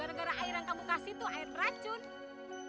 gara gara air yang kamu kasih tuh air racun